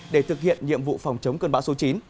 để thực hiện nhiệm vụ phòng chống cơn bão số chín